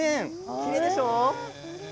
きれいでしょう？